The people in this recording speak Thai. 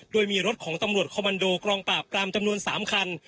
โดยมีรถของตำรวจคอมมันโดกองปราบปรามจำนวน๓คัน